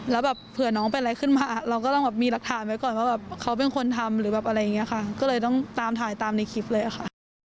แล้วแบบเผื่อน้องเป็นอะไรขึ้นมาเราก็ต้องแบบมีหลักฐานไว้ก่อนว่าแบบเขาเป็นคนทำหรือแบบอะไรอย่างนี้ค่ะก็เลยต้องตามถ่ายตามในคลิปเลยค่ะ